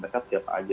terdekat siapa saja